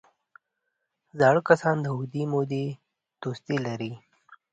زاړه کسان د اوږدې مودې دوستي لري